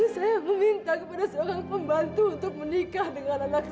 saya meminta kepada seorang pembantu untuk menikah dengan anakku